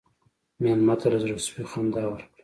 مېلمه ته له زړه سوي خندا ورکړه.